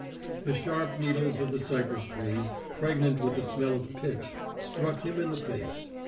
The sharp needles of the cypress trees, pregnant with the smell of pitch, struck him in the face.